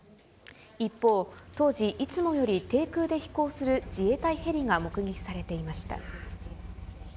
一方、当時、いつもより低空で飛行する自衛隊ヘリが目撃されていました。